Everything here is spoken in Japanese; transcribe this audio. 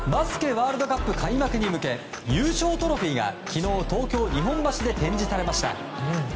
ワールドカップ開幕に向け優勝トロフィーが昨日東京・日本橋で展示されました。